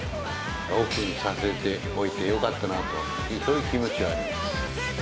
オープンさせておいてよかったなと、そういう気持ちはあります。